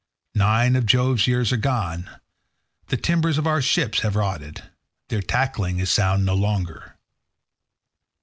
Nine of Jove's years are gone; the timbers of our ships have rotted; their tackling is sound no longer.